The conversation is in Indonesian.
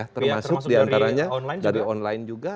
termasuk diantaranya dari online juga